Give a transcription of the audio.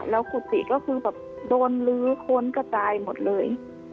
แล้วกุฏิก็คือแบบโดนลื้อค้นกระจายหมดเลย